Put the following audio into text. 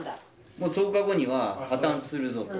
もう１０日後には破綻するぞと。